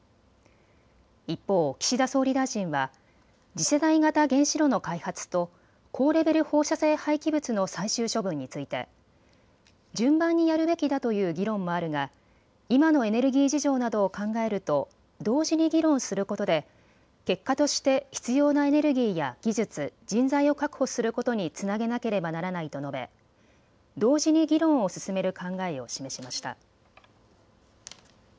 一方、岸田総理大臣は次世代型原子炉の開発と高レベル放射性廃棄物の最終処分について順番にやるべきだという議論もあるが今のエネルギー事情などを考えると同時に議論することで結果として必要なエネルギーや技術、人材を確保することにつなげなければならないと述べ同時に議論を進める考えを示しました。